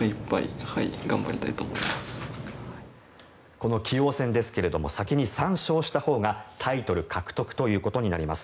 この棋王戦ですが先に３勝したほうがタイトル獲得ということになります。